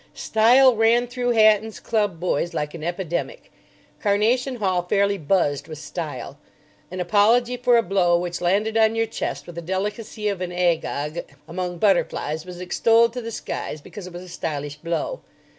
Style ran through Hatton's Club boys like an epidemic. Carnation Hall fairly buzzed with style. An apology for a blow which landed on your chest with the delicacy of an Agag among butterflies was extolled to the skies because it was a stylish blow.